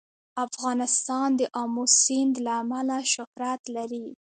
افغانستان د آمو سیند له امله شهرت لري.